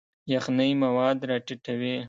یخنۍ مواد راټیټوي.